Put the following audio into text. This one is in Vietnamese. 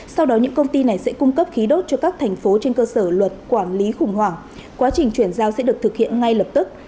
sau đó những công ty này sẽ cung cấp khí đốt cho các thành phố trên cơ sở luật quản lý khủng hoảng quá trình chuyển giao sẽ được thực hiện ngay lập tức